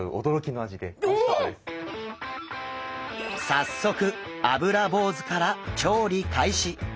早速アブラボウズから調理開始。